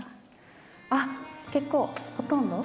あっ結構ほとんど？